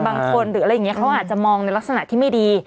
หรืออะไรอย่างนี้เขาอาจจะมองในลักษณะที่ไม่ดี